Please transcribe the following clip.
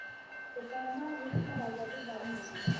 د پغمان غرونه د ازادۍ بامونه دي.